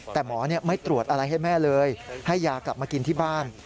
แต่หมอไม่ตรวจอะไรให้แม่เลยให้ยากลับมากินที่บ้าน